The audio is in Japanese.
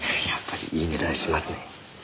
やっぱりいい値段しますね。